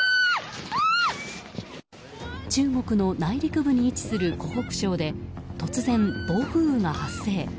中国の内陸部に位置する湖北省で突然、暴風雨が発生。